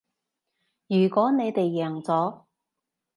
如果你哋贏咗